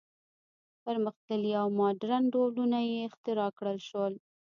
پرمختللي او ماډرن ډولونه یې اختراع کړل شول.